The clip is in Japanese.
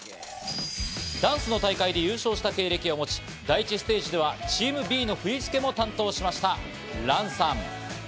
ダンスの大会で優勝した経歴を持ち、第１ステージではチームＢの振り付けも担当しましたランさん。